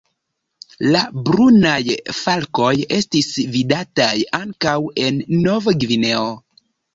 La Brunaj falkoj estis vidataj ankaŭ en Nov-Gvineo.